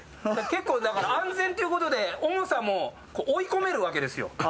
結構だから安全ということで重さも追い込める訳ですよ。